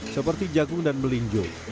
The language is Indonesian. seperti jagung dan melinjo